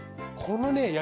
このね